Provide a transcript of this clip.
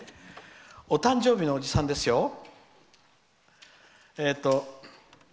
お誕生日のおじさんですよ。